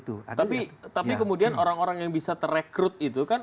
tapi kemudian orang orang yang bisa terekrut itu kan